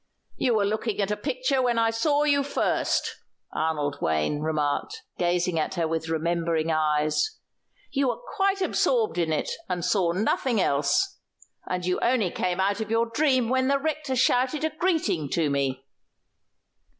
"You were looking at a picture when I saw you first," Arnold Wayne remarked, gazing at her with remembering eyes. "You were quite absorbed in it, and saw nothing else. And you only came out of your dream when the rector shouted a greeting to me."